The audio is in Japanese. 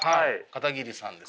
片桐さん。